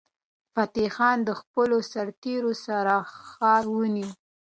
فتح خان د خپلو سرتیرو سره ښار ونیو.